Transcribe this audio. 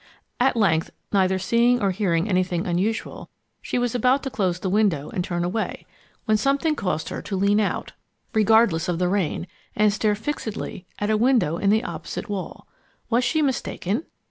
At length, neither seeing nor hearing anything unusual, she was about to close the window and turn away, when something caused her to lean out, regardless of the rain, and stare fixedly at a window in the opposite wall. Was she mistaken?